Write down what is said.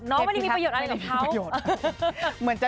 ไม่ได้มีประโยชน์อะไรกับเขา